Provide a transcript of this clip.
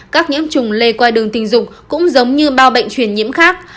các nhiễm trùng lây qua đường tình dục cũng giống như bao bệnh truyền nhiễm khác